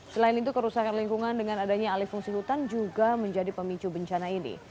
selain itu kerusakan lingkungan dengan adanya alih fungsi hutan juga menjadi pemicu bencana ini